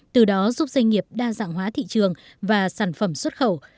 từ đó giúp doanh nghiệp đa dạng hóa thị trường và sản phẩm xuất khẩu